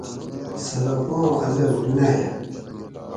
صدقاں اجر دُناۤیہ